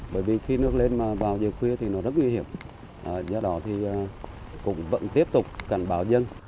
bởi vì khi nước lên vào giờ khuya thì nó rất nguy hiểm do đó thì cũng vẫn tiếp tục cảnh báo dân